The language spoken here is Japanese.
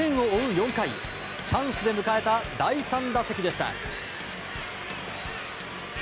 ４回チャンスで出迎えた第３打席でした。